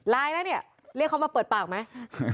แล้วเนี่ยเรียกเขามาเปิดปากไหม